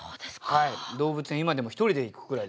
はい動物園今でも一人で行くくらい。